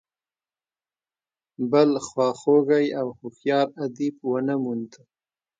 بل خواخوږی او هوښیار ادیب ونه موند.